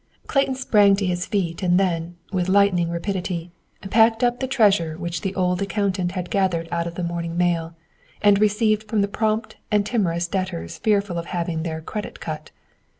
Clayton sprang to his feet and then, with lightning rapidity, packed up the treasure which the old accountant had gathered out of the morning mail, and received from the prompt and timorous debtors fearful of having their "credit cut."